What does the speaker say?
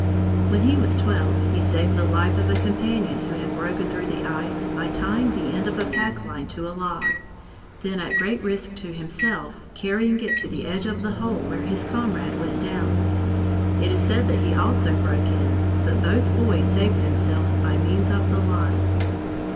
When he was twelve, he saved the life of a companion who had broken through the ice by tying the end of a pack line to a log, then at great risk to himself carrying it to the edge of the hole where his comrade went down. It is said that he also broke in, but both boys saved themselves by means of the line.